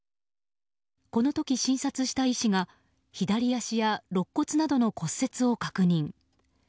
この時、診察した医師が左足や肋骨などの骨折を確認。